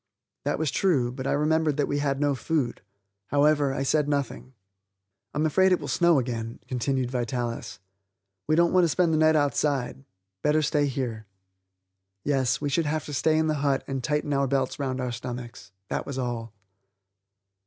That was true, but I remembered that we had no food. However, I said nothing. "I'm afraid it will snow again," continued Vitalis. "We don't want to spend the night outside. Better stay here." Yes, we should have to stay in the hut and tighten our belts round our stomachs, that was all.